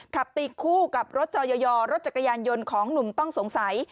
ขับตีคู่กับรถจอยอรถจักรยานยนต์ของหนุ่มต้องสงสัย